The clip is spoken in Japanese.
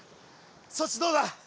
そっちどうだ？